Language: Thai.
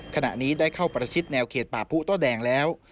ขณะนี้ได้เข้าประชิดแนวเขตป่าผู้โต้แดงแล้ว